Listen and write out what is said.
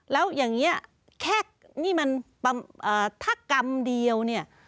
แล้วอย่างนี้แค่นี่มันถ้ากรรมเดียวเนี่ย